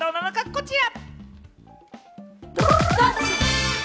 こちら。